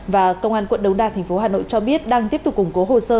và công an quận đông đa tp hà nội cho biết đang tiếp tục củng cố hồ sơ